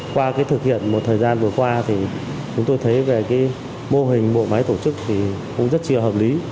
qua thực hiện một thời gian vừa qua chúng tôi thấy mô hình bộ máy tổ chức rất hợp lý